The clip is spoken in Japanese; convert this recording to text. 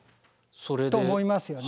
と思いますよね。